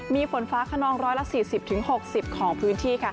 มีฝนฟ้าขนอง๑๔๐๖๐ของพื้นที่